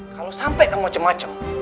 kalau sampai ke macam macam